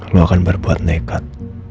lo akan berbuat nekat